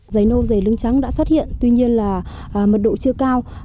dày nâu dày lưng trắng đã xuất hiện tuy nhiên là mật độ chưa cao